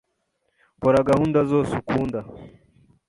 Kora gahunda zose ukunda.